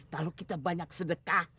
kalau kita banyak sedekah